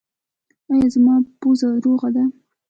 ایا زما پوزه روغه ده؟